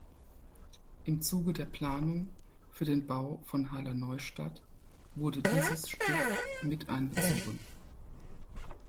Im Zuge der Planung für den Bau von Halle-Neustadt wurde dieses Stück mit einbezogen.